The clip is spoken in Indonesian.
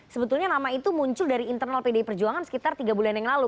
sebetulnya nama itu muncul dari internal pdi perjuangan sekitar tiga bulan yang lalu